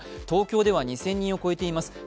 東京では２０００人を超えています。